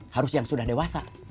harus yang sudah dewasa